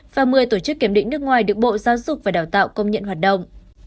và một mươi tổ chức kiểm định nước ngoài được bộ giáo dục và đào tạo công nhận hoạt động